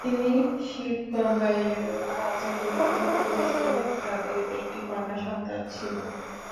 তিনি শিবগঙ্গাইয়ের রাজাকে বিবাহ করেছিলেন এবং তাদের একটি কন্যা সন্তান ছিল।